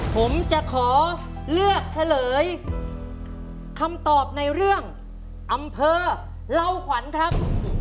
ผมจะขอเลือกเฉลยคำตอบในเรื่องอำเภอเล่าขวัญครับ